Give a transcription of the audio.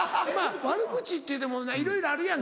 悪口っていうてもいろいろあるやんか。